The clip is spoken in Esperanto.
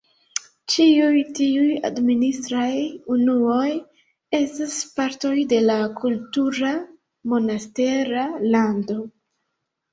Ĉiuj tiuj administraj unuoj estas partoj de la kultura Monastera Lando.